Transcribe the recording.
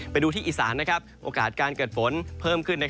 ไปดูที่อีสานโอกาสการเกิดฝนเพิ่มขึ้น